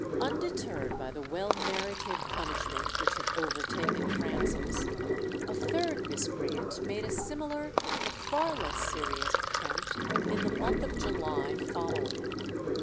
Undeterred by the well merited punishment which had overtaken Francis, a third miscreant made a similar but far less serious attempt in the month of July following.